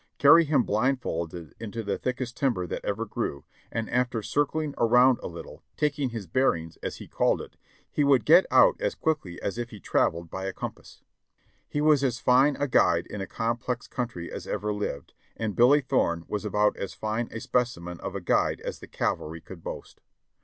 Carry him blindfolded into the thickest timber that ever grew, and after circling around a little, taking his bearings, as he called it, he would get out as quick ly as if he traveled by a compass. He was as fine a guide in a complex country as ever lived, and Billy Thorne was about as fine a specimen of a guide as the cavalry could boast.